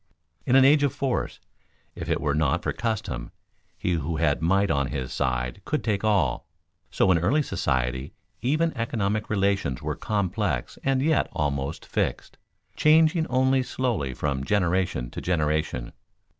In an age of force if it were not for custom, he who had might on his side could take all. So in early society even economic relations were complex and yet almost fixed changing only slowly from generation to generation.